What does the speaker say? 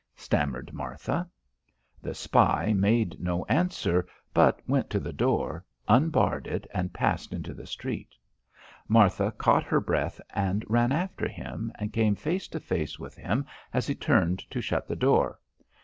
stammered Martha. The spy made no answer but went to the door, unbarred it and passed into the street. Martha caught her breath and ran after him and came face to face with him as he turned to shut the door.